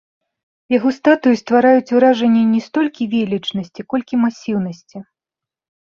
Яго статуі ствараюць уражанне не столькі велічнасці, колькі масіўнасці.